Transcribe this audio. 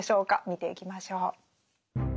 見ていきましょう。